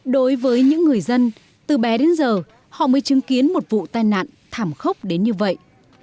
đối với những người dân từ bé đến giờ họ mới chứng kiến một vụ tai nạn thảm khốc đến như vậy